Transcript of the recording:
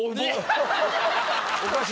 おかしい。